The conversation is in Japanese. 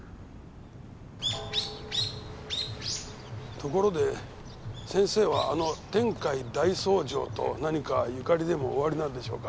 ところで先生はあの天海大僧正と何か縁でもおありなんでしょうか？